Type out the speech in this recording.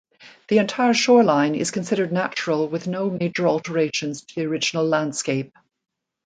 The entire shoreline is considered natural with no major alterations to the original landscape.